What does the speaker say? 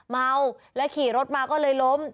เมาและขี่รถมาก็เลยล้ม